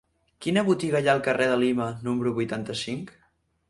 Quina botiga hi ha al carrer de Lima número vuitanta-cinc?